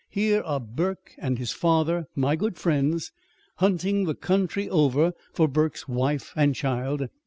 Here are Burke and his father, my good friends, hunting the country over for Burke's wife and child.